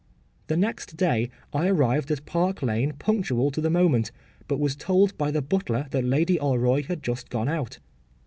‘The next day I arrived at Park Lane punctual to the moment, but was told by the butler that Lady Alroy had just gone out.